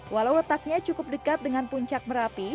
walau letaknya cukup dekat dengan puncak merapi